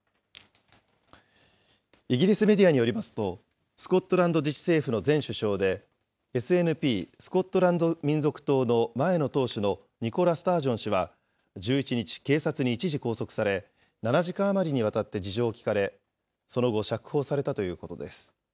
イギリスメディアによりますと、スコットランド自治政府の前首相で、ＳＮＰ・スコットランド民族党の前の党首のニコラ・スタージョン氏は１１日、警察に一時拘束され、７時間余りにわたって事情を聴かれ、その後、釈放されたということです。